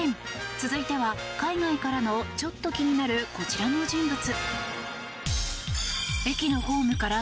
続いては、海外からのちょっと気になるこちらの人物。